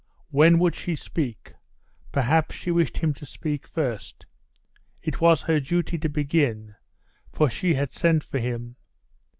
When would she speak? Perhaps she wished him to speak first. It was her duty to begin, for she had sent for him....